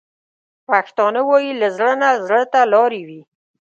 پښتانه وايي: له زړه نه زړه ته لارې وي.